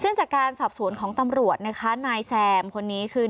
ซึ่งจากการสอบสวนของตำรวจนะคะนายแซมคนนี้คือ